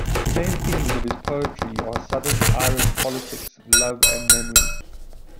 The main themes of his poetry are Southern Irish politics, love and memory.